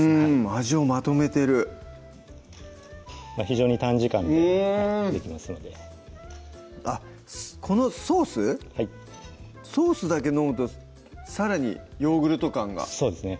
味をまとめてる非常に短時間でできますのであっこのソースソースだけ飲むとさらにヨーグルト感がそうですね